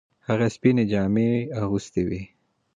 هغه سپینې جامې اغوستې وې.